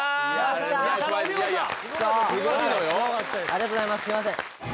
ありがとうございますすいません